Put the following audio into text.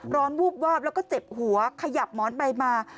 ร้อนวูบวอบแล้วเจ็บหัวขยับหมอนไปมา